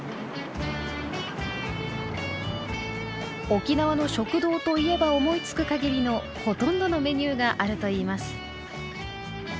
沖縄の食堂といえば思いつく限りのほとんどのメニューがあるといいます。